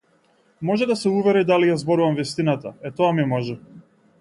Може да се увери дали ја зборувам вистината, е тоа ми може.